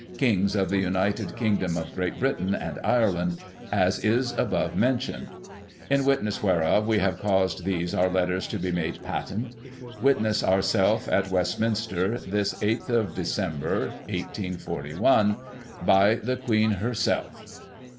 Kings of the United Kingdom of Great Britain and Ireland, as is above mentioned. " In witness whereof, we have caused these, our letters, to be made patent. Witness ourself at Westminster, this 8th day of December, 1841. " By the QUEEN herself.